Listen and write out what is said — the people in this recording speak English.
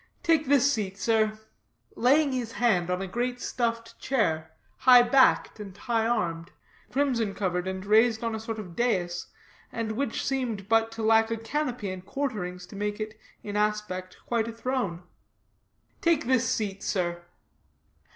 Take this seat, sir," laying his hand on a great stuffed chair, high backed and high armed, crimson covered, and raised on a sort of dais, and which seemed but to lack a canopy and quarterings, to make it in aspect quite a throne, "take this seat, sir."